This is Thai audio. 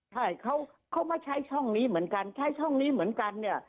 ใช่เขามาใช้ช่องนี้เหมือนกันใช้ช่องนี้เหมือนกันเนี่ย